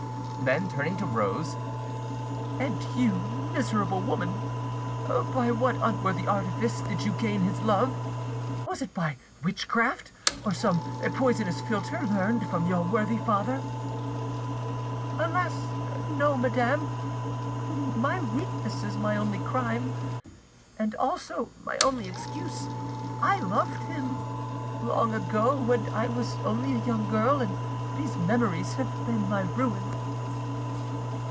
Then, turning to Rose— "And you, miserable woman! by what unworthy artifice did you gain his love? Was it by witchcraft? or some poisonous philtre learned from your worthy father?" "Alas! no, madame; my weakness is my only crime, and also my only excuse. I loved him, long ago, when I was only a young girl, and these memories have been my ruin."